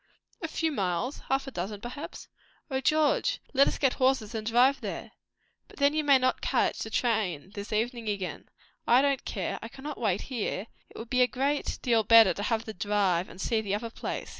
"A few miles half a dozen, perhaps." "O George, let us get horses and drive there!" "But then you may not catch the train this evening again." "I don't care. I cannot wait here. It would be a great deal better to have the drive and see the other place.